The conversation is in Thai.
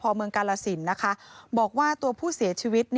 พ่อพูดว่าพ่อพูดว่าพ่อพูดว่าพ่อพูดว่าพ่อพูดว่า